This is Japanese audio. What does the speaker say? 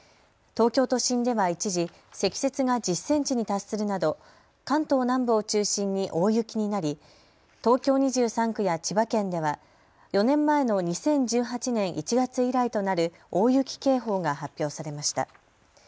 東京都心では一時、積雪が１０センチに達するなど関東南部を中心に大雪になり、東京２３区や千葉県では４年前の２０１８年１月以来となる大雪警報が発表されました。